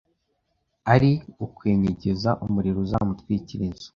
ari ukwenyegeza umuriro uzamutwikira inzu